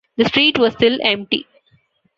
The street was still empty.